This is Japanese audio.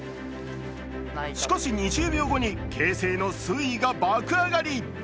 しかし２０秒後に形勢の推移が爆上がり。